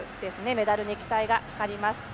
メダルに期待がかかります。